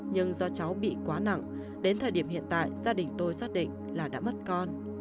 nhưng do cháu bị quá nặng đến thời điểm hiện tại gia đình tôi xác định là đã mất con